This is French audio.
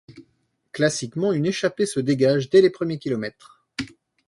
Classiquement, une échappée se dégage dès les premiers kilomètres.